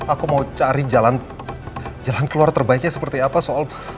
aku mau cari jalan keluar terbaiknya seperti apa soal